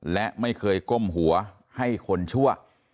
และไม่เคยก้มหัวให้คนชั่ว